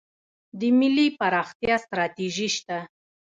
د ملي پراختیا ستراتیژي شته؟